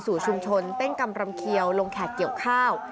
สู่ชุมชนเต้นกำรำเขียวลงแขกเกี่ยวข้าว